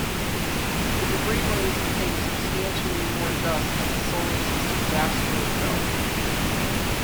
The debris ring contains substantially more dust than the Solar System's asteroid belt.